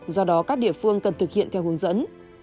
do đó các địa phương cần thực hiện theo hướng dẫn